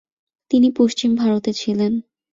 তিনি পশ্চিম ভারতে ছিলেন।